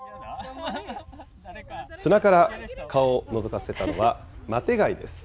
砂から顔をのぞかせたのは、マテ貝です。